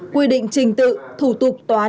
quy định trình tự thủ tục toán